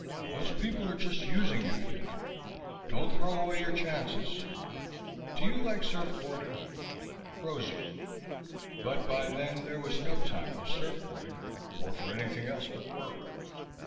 Those people are just using you, you know. Don't throw away your chances. Do you like surfboarding? Rosie But by then there was no time for surfboarding, or for anything else but work.